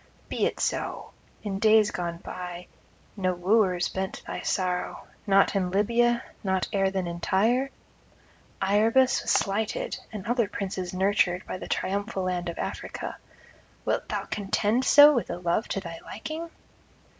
Be it so: in days gone by no wooers bent thy sorrow, not in Libya, not ere then in Tyre; Iarbas was slighted, and other princes nurtured by the triumphal land of Africa; wilt thou contend so with a love to thy liking?